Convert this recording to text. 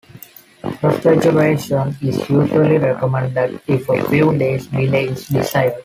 Refrigeration is usually recommended if a few days' delay is desired.